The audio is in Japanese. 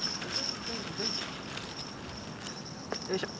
よいしょ。